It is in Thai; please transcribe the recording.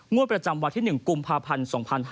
ประจำวันที่๑กุมภาพันธ์๒๕๕๙